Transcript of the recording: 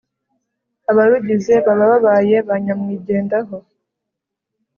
abarugize baba babaye ba nyamwigendaho